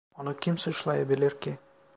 Onu kim suçlayabilir ki?